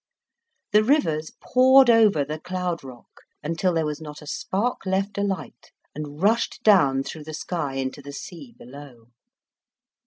The rivers poured over the cloud rock, until there was not a spark left alight, and rushed down through the sky into the sea below.